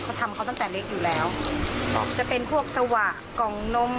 เขาทำเขาตั้งแต่เล็กอยู่แล้วครับจะเป็นพวกสวะกล่องนม